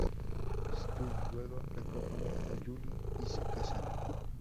Stu luego le propone a Julie y se casan.